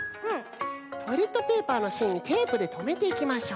トイレットペーパーのしんにテープでとめていきましょう。